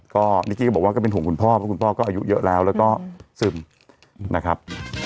ก็นิกกี้ก็บอกว่าก็เป็นห่วงคุณพ่อเพราะคุณพ่อก็อายุเยอะแล้วแล้วก็ซึมนะครับ